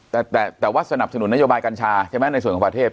แต่แต่ว่าสนับสนุนนโยบายกัญชาใช่ไหมในส่วนของประเทศ